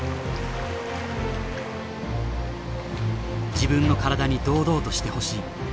自分の体に堂々としてほしい。